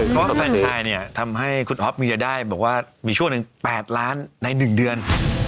เพราะว่าแฟนชายเนี่ยทำให้คุณอ๊อฟมีรายได้บอกว่ามีช่วงหนึ่ง๘ล้านใน๑เดือน